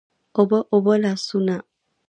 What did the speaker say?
اوبه، اوبه لاسونه